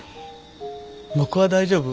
僕は大丈夫。